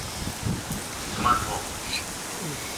그만둬!